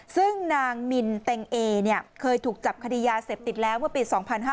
ซึ่งนางมินเต็งเอเคยถูกจับคดียาเสพติดแล้วเมื่อปี๒๕๕๙